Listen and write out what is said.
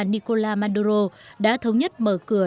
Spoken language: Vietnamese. nicola maduro đã thống nhất mở cửa